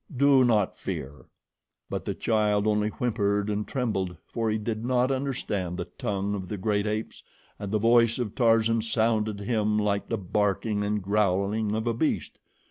Do not fear." But the child only whimpered and trembled, for he did not understand the tongue of the great apes, and the voice of Tarzan sounded to him like the barking and growling of a beast.